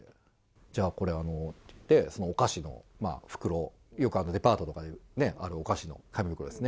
じゃあこれ、あのって言って、お菓子の袋、よくデパートとかである、お菓子の紙袋ですね。